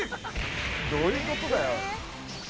どういう事だよ。